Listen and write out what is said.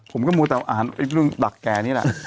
มก็มัวแต่อ่านเรื่องดักแก่นี่แหละ